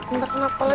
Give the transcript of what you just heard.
bentar kenapa lagi